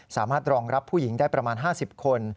สามารถรองรับผู้หญิงได้ประมาณ๕๐คน